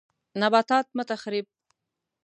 نباتات مه تخریب